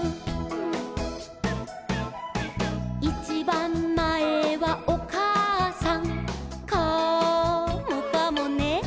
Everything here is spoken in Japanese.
「いちばんまえはおかあさん」「カモかもね」